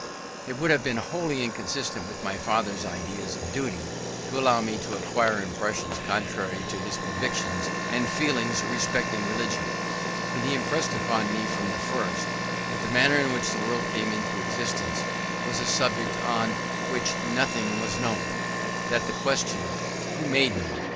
It would have been wholly inconsistent with my father's ideas of duty, to allow me to acquire impressions contrary to his convictions and feelings respecting religion: and he impressed upon me from the first, that the manner in which the world came into existence was a subject on which nothing was known: that the question, "Who made me?"